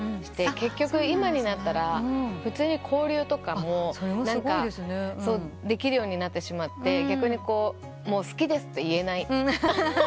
結局今になったら普通に交流とかもできるようになってしまって逆に好きですって言えない。